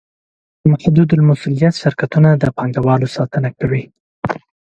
محدودالمسوولیت شرکتونه د پانګوالو ساتنه کوي.